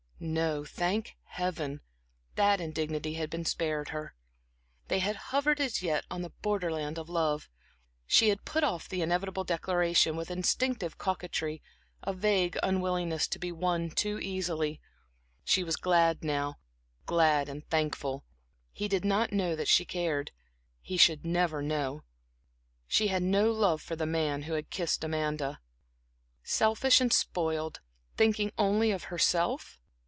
No, thank Heaven! that indignity had been spared her. They had hovered as yet on the borderland of love; she had put off the inevitable declaration with instinctive coquetry, a vague unwillingness to be won too easily. She was glad now glad and thankful; he did not know that she cared, he should never know. She had no love for the man who had kissed Amanda.... "Selfish and spoiled thinking only of herself?"